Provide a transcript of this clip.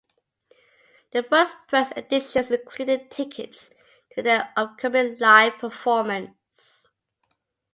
The first press editions included tickets to their upcoming live performance.